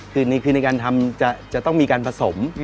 คือในการทำจะต้องมีการผสม